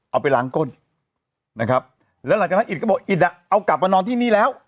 เอาไปล้างก้นนะครับแล้วหลังจากนั้นอิตก็บอกอิตอ่ะเอากลับมานอนที่นี่แล้ว